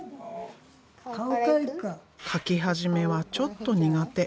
描き始めはちょっと苦手。